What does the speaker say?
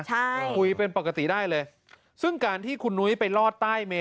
ใช่คุยเป็นปกติได้เลยซึ่งการที่คุณนุ้ยไปลอดใต้เมน